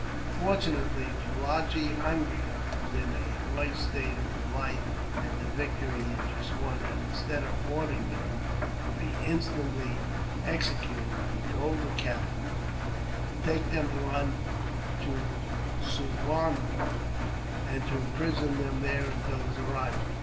Fortunately, Tulagi Angria was in a high state of delight, at the victory he had just won; and, instead of ordering them to be instantly executed, he told the captain to take them on to Suwarndrug, and to imprison them there until his arrival.